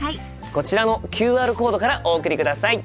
こちらのＱＲコードからお送りください。